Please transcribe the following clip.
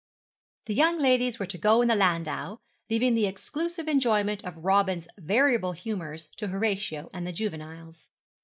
The young ladies were to go in the landau, leaving the exclusive enjoyment of Robin's variable humours to Horatio and the juveniles.